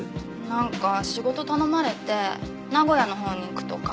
なんか仕事頼まれて名古屋の方に行くとか。